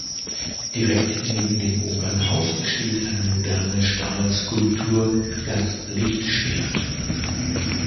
Direkt neben dem Opernhaus steht eine moderne Stahlskulptur, das „Lichtschwert“.